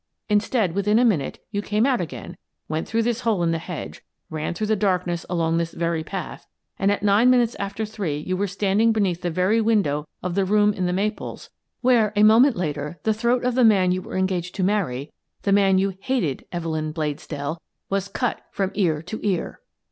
Instead, within a minute you came out again — went through this hole in the hedge — ran through the darkness along this very path — and at nine minutes after three you were standing beneath the very window of the room in ' The Maples * where, a moment later, the throat of the man you were engaged to marry — the man you hated, Evelyn Bladesdell — was cut from ear to ear